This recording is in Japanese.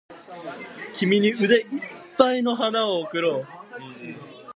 君に腕いっぱいの花束を贈ろう